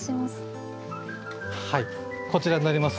はいこちらになります。